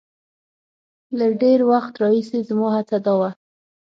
له ډېر وخت راهیسې زما هڅه دا وه.